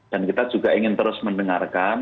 dan kita juga ingin terus mendengarkan